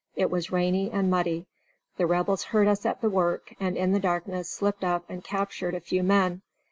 It was rainy and muddy. The Rebels heard us at the work and in the darkness slipped up and captured a few men.